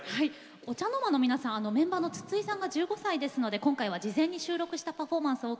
ＯＣＨＡＮＯＲＭＡの皆さんメンバーの筒井さんが１５歳ですので今回は事前に収録したパフォーマンスをお送りします。